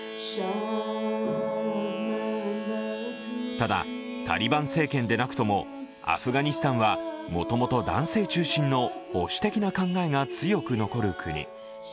ただ、タリバン政権でなくともアフガニスタンはもともと男性中心の保守的な考えが強く残る国。